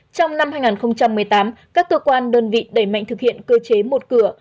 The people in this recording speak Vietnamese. trong năm hai nghìn một mươi tám các cơ quan đơn vị đẩy mạnh thực hiện cơ chế một cửa